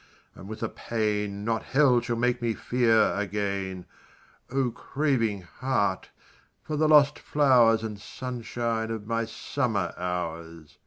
and with a pain Not Hell shall make me fear again O craving heart, for the lost flowers And sunshine of my summer hours!